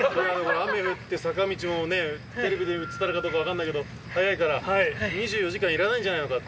雨降って坂道もね、テレビで映ったのかどうか分かんないけど、速いから２４時間いらないんじゃないのかと。